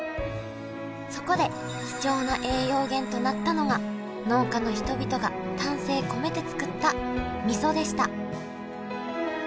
そこで貴重な栄養源となったのが農家の人々が丹精込めて作ったみそでした。